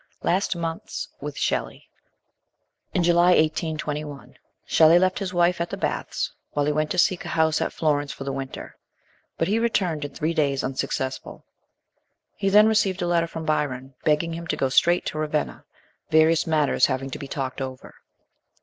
LAST MONTHS WITH SHELLEY. IN July 1821, Shelley left his wife at the baths while he went to seek a house at Florence for the winter ; but he returned in three days unsuccessful. He then received a letter from Byron begging him to go straight to Ravenna, various matters having to be talked over.